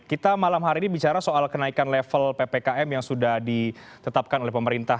kita malam hari ini bicara soal kenaikan level ppkm yang sudah ditetapkan oleh pemerintah